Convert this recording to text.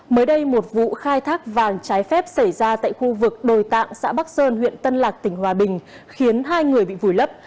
mới đây một vụ khai thác vàng trái phép xảy ra tại khu vực đồi tạng xã bắc sơn huyện tân lạc tỉnh hòa bình khiến hai người bị vùi lấp